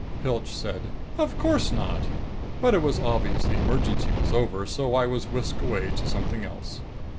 Pilch said, "Of course not! But it was obvious the emergency was over, so I was whisked away to something else."